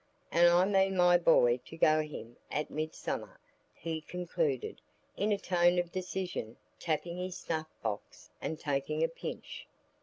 And I mean my boy to go to him at Midsummer," he concluded, in a tone of decision, tapping his snuff box and taking a pinch.